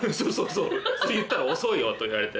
それ言ったら「遅いよ」って言われて。